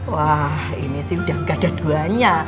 wah ini sih udah gak ada duanya